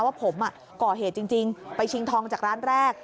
ว่าผมก่อเหตุจริงไปชิงทองจากร้านแรก